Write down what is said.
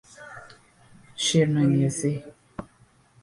شیر منیزی